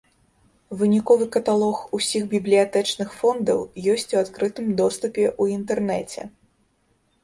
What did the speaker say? Выніковы каталог усіх бібліятэчных фондаў ёсць у адкрытым доступе ў інтэрнэце.